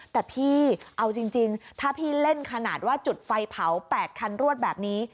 แต่พี่เอาจริงถ้าพี่เล่นขนาดว่าจุดไฟเผา๘คันรวดแบบนี้